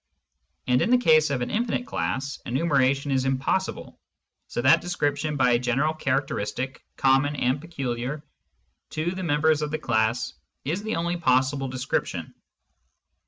And in the case of an infinite class, enumera tion is impossible, so that description by a general charac teristic common and peculiar to the members of the class is the only possible description.